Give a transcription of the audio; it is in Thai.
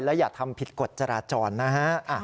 อย่าทำผิดกฎจราจรนะฮะ